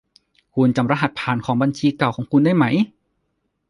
คุณยังจำรหัสผ่านของบัญชีเก่าของคุณได้ไหม